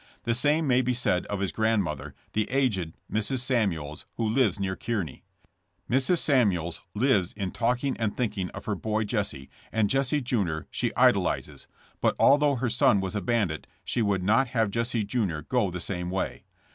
The same may be said of his grandmother, the aged Mrs. Samuels, who lives near Kearney. Mrs. Samuels lives in talking and thinking of her boy Jesse, and Jesse, jr., she idolizes, but, although her son was a bandit, she would not have Jesse, jr., go the same way.